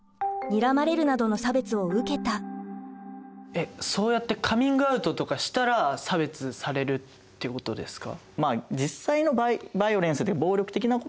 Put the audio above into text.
えっそうやってカミングアウトとかしたら差別されるってことですか？